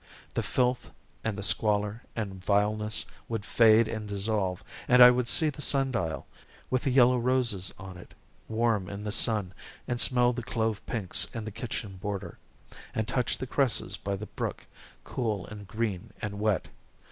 The filth and the squalor and vileness would fade and dissolve and I would see the sun dial, with the yellow roses on it, warm in the sun, and smell the clove pinks in the kitchen border, and touch the cresses by the brook, cool and green and wet.